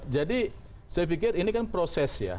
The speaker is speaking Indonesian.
jadi saya pikir ini kan proses ya